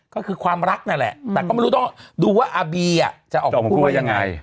ก็คือความรักนั่นแหละแต่ก็ไม่รู้ต้องดูว่าอาบีจะออกมาพูดว่ายังไง